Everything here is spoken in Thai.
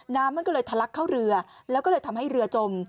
น้ำมันก็เลยทะลักเข้าเรือแล้วก็เลยทำให้เรือจม